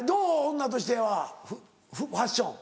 女としてはファッション。